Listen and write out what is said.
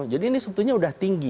jadi ini sebetulnya udah tinggi